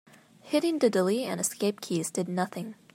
Hitting the delete and escape keys did nothing.